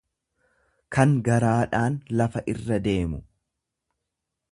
kan garaadhaan lafa irra deemu.